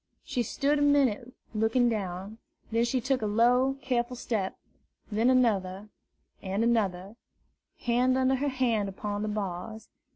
She stood a minute looking down; then she took a slow, careful step; then another and another, hand under hand upon the bars.